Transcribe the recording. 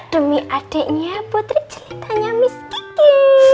demi adiknya putri ceritanya miss gigi